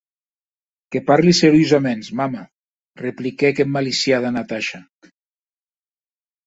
Que parli seriosaments, mama, repliquèc emmaliciada Natasha.